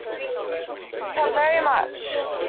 Ta very much.